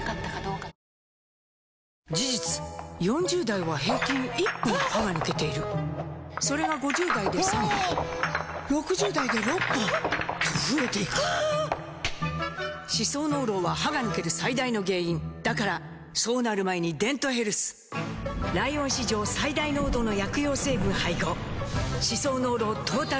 事実４０代は平均１本歯が抜けているそれが５０代で３本６０代で６本と増えていく歯槽膿漏は歯が抜ける最大の原因だからそうなる前に「デントヘルス」ライオン史上最大濃度の薬用成分配合歯槽膿漏トータルケア！